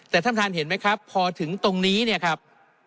แต่ท่านท่านเห็นไหมครับพอถึงตรงนี้เนี่ยครับ